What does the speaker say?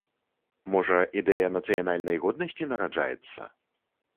Можа, ідэя нацыянальнай годнасці нараджаецца?